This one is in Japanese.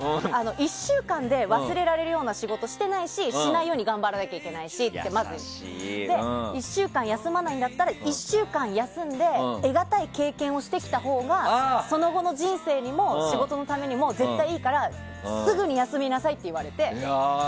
１週間で忘れられるような仕事してないししないようにしないといけないし１週間休んで得がたい経験をしてきたほうがその後の人生にも仕事のためにも絶対にいいからすぐに休みなさいって言われて。